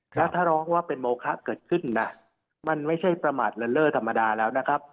แล้วถ้าร้องว่าเป็นโมคะเกิดขึ้นนะมันไม่ใช่ประมาทเลินเล่อธรรมดาแล้วนะครับ